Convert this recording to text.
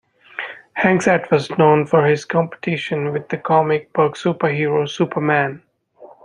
Hank's act was known for his competition with the comic book superhero Superman.